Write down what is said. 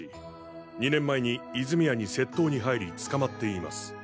２年前に泉谷に窃盗に入り捕まっています。